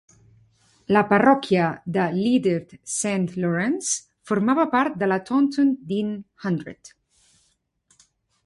La parròquia de Lydeard Saint Lawrence formava part de la Taunton Deane Hundred.